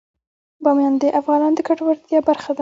بامیان د افغانانو د ګټورتیا برخه ده.